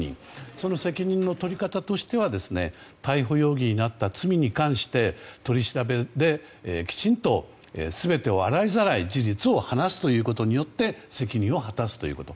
その責任の取り方としては逮捕容疑になった罪に関して取り調べできちんと全てを洗いざらい事実を話すことによって責任を果たすということ。